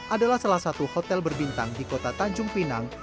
adalah salah satu hotel berbintang di kota tanjung pinang